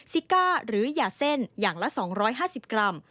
ซิก้าหรือยาเส้นอย่างละ๒๕๐กรัม